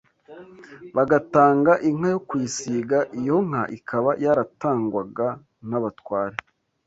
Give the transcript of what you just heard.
bagatanga inka yo kuyisiga, iyo nka ikaba yaratangwaga n’abatware